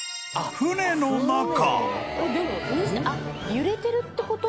揺れてるってこと？